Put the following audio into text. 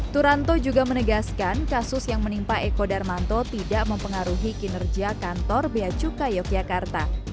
turanto juga menegaskan kasus yang menimpa eko darmanto tidak mempengaruhi kinerja kantor beacuka yogyakarta